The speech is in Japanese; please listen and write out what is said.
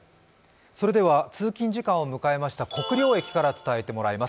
それでは、通勤時間を迎えました国領駅から伝えてもらいます。